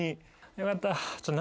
よかった。